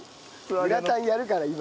グラタンやるから今から。